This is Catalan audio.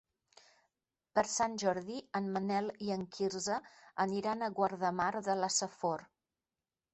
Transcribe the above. Per Sant Jordi en Manel i en Quirze aniran a Guardamar de la Safor.